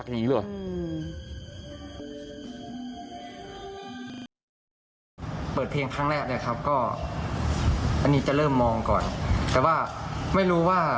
ก็เลยให้เกี่ยวสถานที่ด้วยตอนนั้นคือยังไม่ได้คุยกันเลยว่าเจออะไร